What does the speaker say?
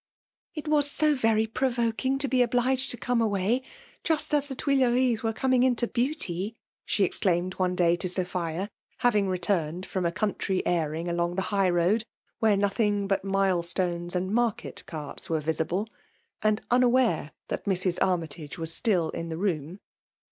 .^ It was so very provoking to be obUged to come away, just as the Tuileries were coming into beauty r — she exclaimed one day to Sophia, having returned from a country airing along the high road, where nothing but mile stones and market carts were visible; and unaware that Mrs. Armytage was still in the room.